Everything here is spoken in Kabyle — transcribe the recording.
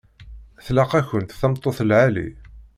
Tlaq-akent tameṭṭut lɛali.